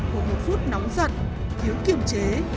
của một phút nóng giận thiếu kiểm chế